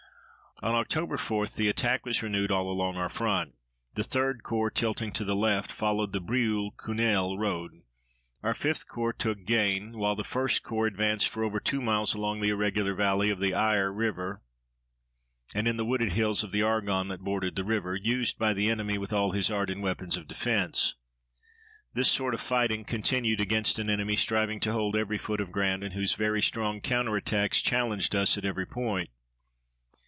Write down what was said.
On Oct. 4 the attack was renewed all along our front. The 3d Corps, tilting to the left, followed the Brieulles Cunel road; our 5th Corps took Gesnes, while the 1st Corps advanced for over two miles along the irregular valley of the Aire River and in the wooded hills of the Argonne that bordered the river, used by the enemy with all his art and weapons of defense. This sort of fighting continued against an enemy striving to hold every foot of ground and whose very strong counter attacks challenged us at every point.